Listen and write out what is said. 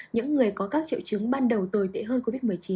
những người có các triệu chứng ban đầu tồi tệ hơn covid một mươi chín